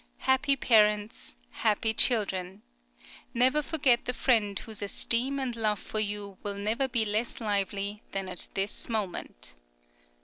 Happy parents! happy children! Never forget the friend whose esteem and love for you will never be less lively than at this moment.